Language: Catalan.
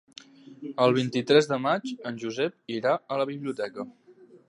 El vint-i-tres de maig en Josep irà a la biblioteca.